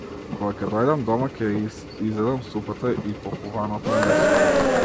Кога ќе дојдам дома, ќе ја изедам супата и похувано- то месо.